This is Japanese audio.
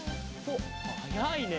はやいね！